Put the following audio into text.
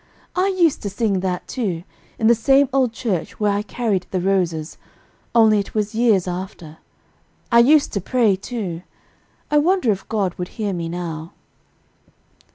I used to sing that, too, in the same old church where I carried the roses, only it was years after. I used to pray, too. I wonder if God would hear me now."